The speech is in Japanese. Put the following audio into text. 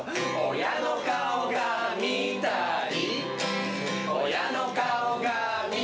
親の顔が見たい